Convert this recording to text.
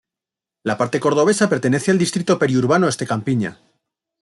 La parte cordobesa pertenece al Distrito Periurbano Este-Campiña.